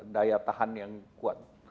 daya tahan yang kuat